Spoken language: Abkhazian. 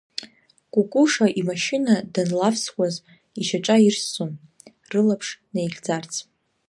Кәыкәыша имашьына данлавсуаз, ишьаҿа ирссон, рылаԥш наихьӡарц.